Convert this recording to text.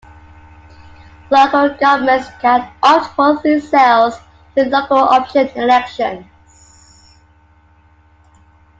Local governments can opt for these sales through "local option" elections.